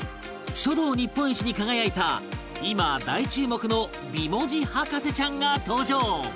書道日本一に輝いた今大注目の美文字博士ちゃんが登場